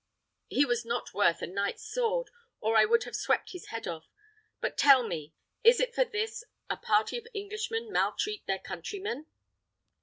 He was not worth a knight's sword, or I would have swept his head off. But tell me, is it for this a party of Englishmen maltreat their countrymen?"